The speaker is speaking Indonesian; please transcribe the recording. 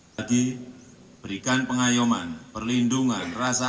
jadi berikan pengayuman perlindungan rasa aman